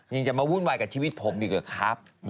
ยังจะมาวุ่นวายกับชีวิตผมอีกเหรอครับ